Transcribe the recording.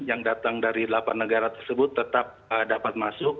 yang datang dari delapan negara tersebut tetap dapat masuk